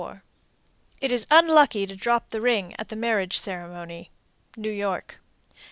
It is unlucky to drop the ring at the marriage ceremony. _New York.